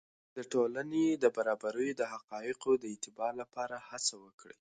د ټولنې د برابریو د حقایقو د اعتبار لپاره هڅه وکړئ.